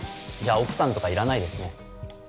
奥さんとか要らないですね